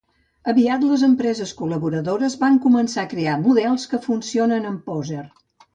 Aviat, les empreses col·laboradores van començar a crear models que funcionen amb Poser.